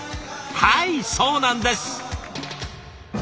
はいそうなんです！